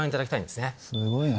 すごいね。